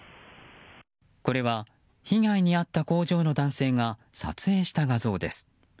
これは被害に遭った工場の男性が撮影した画像です。